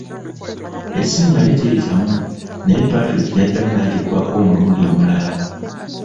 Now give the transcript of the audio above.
Essimu yali teyitamu naye Patrick yaddamu n'agikubako omulundi omulala.